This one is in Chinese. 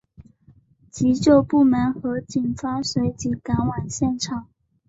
急救部门和警方随即赶往现场。